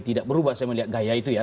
tidak berubah saya melihat gaya itu ya